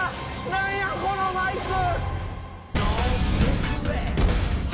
何やこのマイク。